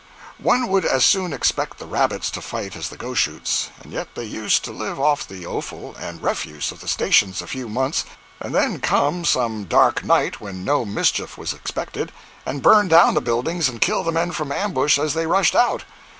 One would as soon expect the rabbits to fight as the Goshoots, and yet they used to live off the offal and refuse of the stations a few months and then come some dark night when no mischief was expected, and burn down the buildings and kill the men from ambush as they rushed out.